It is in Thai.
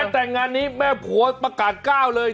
แต่งานนี้แม่ผัวประกาศก้าวเลย